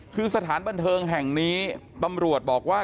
คือสถานบันเทิงแห่งนี้ตำรวจบอกว่า